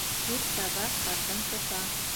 Ир таба, ҡатын тота.